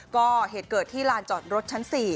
ก็เหตุเกิดที่ลานจอดรถชั้น๔